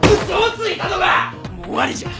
もう終わりじゃ！